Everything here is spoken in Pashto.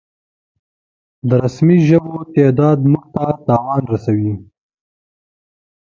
د رسمي ژبو تعداد مونږ ته تاوان رسوي